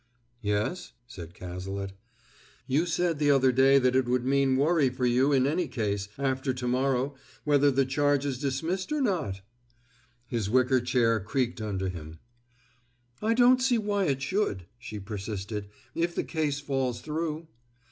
"Yes?" said Cazalet. "You said the other day that it would mean worry for you in any case after to morrow whether the charge is dismissed or not!" His wicker chair creaked under him. "I don't see why it should," she persisted, "if the case falls through."